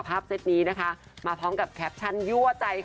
ภาพเซตนี้มาพร้อมกับแคปชั่นยั่วใจ